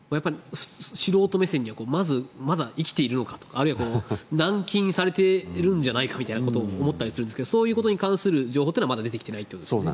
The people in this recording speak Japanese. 素人目線ではまだ生きているのかとかあるいは軟禁されてるんじゃないかみたいなことを思ったりするんですがそういうことに関する情報はまだ出てきてないんですよね。